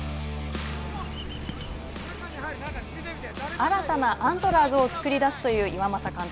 新たなアントラーズを作り出すという岩政監督。